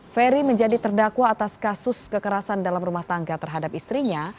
ferry menjadi terdakwa atas kasus kekerasan dalam rumah tangga terhadap istrinya